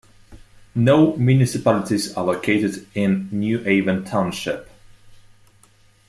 No municipalities are located in New Avon Township.